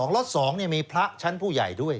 ล็อต๒มีพระชั้นผู้ใหญ่ด้วย